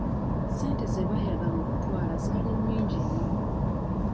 Ssente ze baayagala okutwala zaali nnyingi nnyo.